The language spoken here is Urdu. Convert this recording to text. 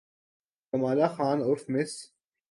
کمالہ خان عرف مس